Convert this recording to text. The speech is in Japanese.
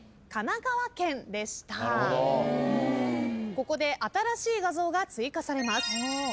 ここで新しい画像が追加されます。